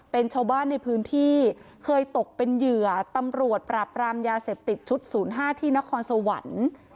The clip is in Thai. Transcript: เป็นชาวบ้านในพื้นที่เคยตกเป็นเหยื่อตำรวจปราบรามยาเสพติดชุด๐๕ที่นครสวรรค์